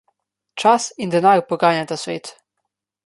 Čas in denar poganjata svet.